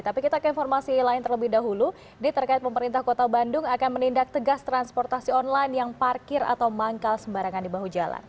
tapi kita ke informasi lain terlebih dahulu ini terkait pemerintah kota bandung akan menindak tegas transportasi online yang parkir atau manggal sembarangan di bahu jalan